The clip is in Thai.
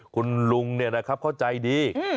คุณลุงเนี่ยนะครับเข้าใจดี